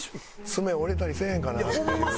爪折れたりせえへんかなっていう。